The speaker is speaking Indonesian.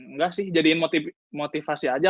enggak sih jadiin motivasi aja